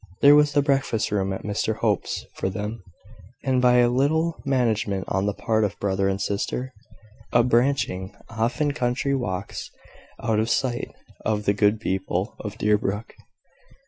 There was the breakfast room at Mr Hope's for them; and, by a little management on the part of brother and sister, a branching off in country walks, out of sight of the good people of Deerbrook.